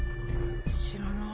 知らない。